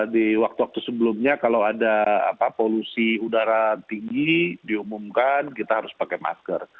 di waktu waktu sebelumnya kalau ada polusi udara tinggi diumumkan kita harus pakai masker